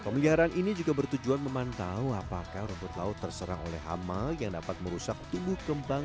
mungkin makanan dia karena rumput laut itu jenisnya yang disukai sama ikan